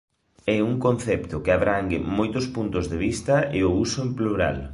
É un concepto que abrangue moitos puntos de vista e o uso en plural.